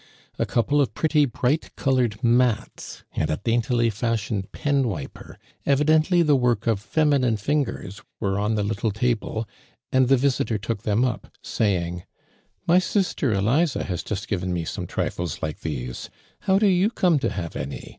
A couple of pretty, bright colored mat.s and a daintily fashioned pt n vviiior, evidently the work of fominino lingers, were on tho little table, and tho visitor took (hom up. saying :" My sister Eliza has just given me some triHes like those. How tlo you como to have any?